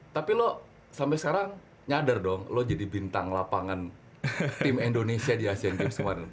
tapi lo sampai sekarang nyadar dong lo jadi bintang lapangan tim indonesia di asean games kemarin